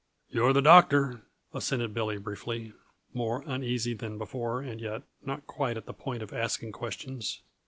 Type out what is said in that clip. "You're the doctor," assented Billy briefly, more uneasy than before and yet not quite at the point of asking questions.